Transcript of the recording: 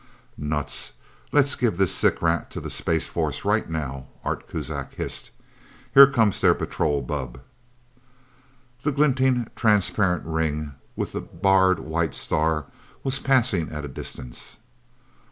"Nuts let's give this sick rat to the Space Force right now." Art Kuzak hissed. "Here comes their patrol bubb." The glinting, transparent ring with the barred white star was passing at a distance.